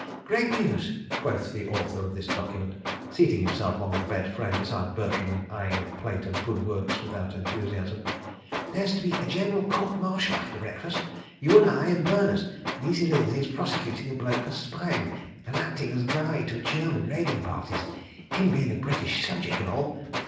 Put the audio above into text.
"Great news," quoth the author of this document, seating himself on the bed frame beside Bertram and eyeing a plate of Good Works without enthusiasm. "There's to be a General Court Martial after breakfast. You and I and Berners. Leesey Lindsay is prosecuting a bloke for spying and acting as guide to German raiding parties—him bein' a British subjick an' all.